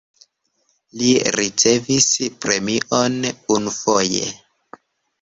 Li ricevis premion unufoje.